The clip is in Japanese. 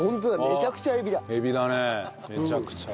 めちゃくちゃ。